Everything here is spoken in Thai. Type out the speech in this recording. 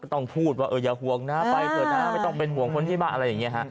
ต้องพูดว่าอย่าห่วงนะไปเถอะนะไม่ต้องเป็นห่วงคนที่มาอะไรอย่างนี้ฮะ